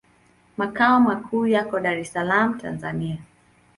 Makao makuu yako Dar es Salaam, Tanzania.